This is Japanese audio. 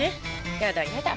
やだやだ。